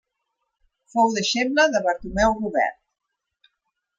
Fou deixeble de Bartomeu Robert.